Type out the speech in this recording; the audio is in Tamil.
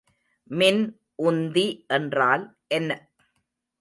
மின் உந்தி என்றால் என்ன?